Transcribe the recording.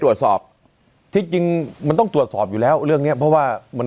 ตรวจสอบที่จริงมันต้องตรวจสอบอยู่แล้วเรื่องเนี้ยเพราะว่ามัน